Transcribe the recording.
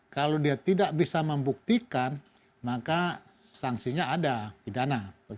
kalau dia tidak bisa membuktikan maka sanksinya ada pidana